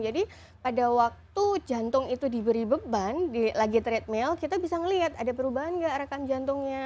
jadi pada waktu jantung itu diberi beban lagi treatment kita bisa ngelihat ada perubahan nggak rekam jantungnya